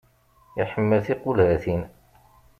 Iḥemmel tiqulhatin.